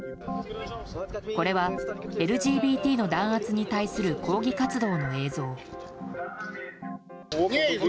これはＬＧＢＴの弾圧に対する抗議活動の映像。